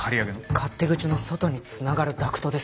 勝手口の外に繋がるダクトです。